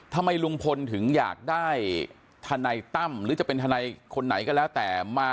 ทำไมลุงพลถึงอยากได้ทนายตั้มหรือจะเป็นทนายคนไหนก็แล้วแต่มา